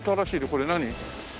これ何？